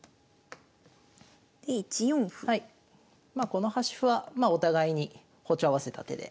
この端歩はまあお互いに歩調合わせた手で。